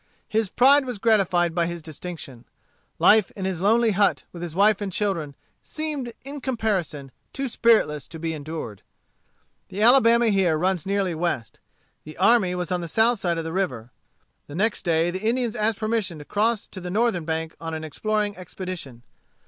His pride was gratified by his distinction. Life in his lonely hut, with wife and children, seemed, in comparison, too spiritless to be endured. The Alabama here runs nearly west. The army was on the south side of the river. The next day the Indians asked permission to cross to the northern bank on an exploring expedition.